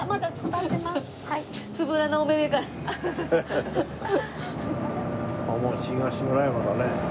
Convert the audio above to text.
あっもう東村山だね。